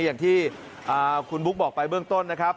อย่างที่คุณบุ๊คบอกไปเบื้องต้นนะครับ